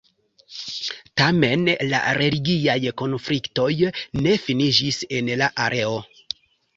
Tamen la religiaj konfliktoj ne finiĝis en la areo.